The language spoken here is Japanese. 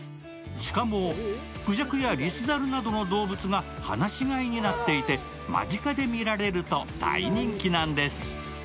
しかもくじゃくやリスザルなどの動物が放し飼いになっていて間近で見られると大人気なんです。